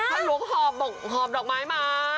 ถ้าลุกหอบดอกไม้มา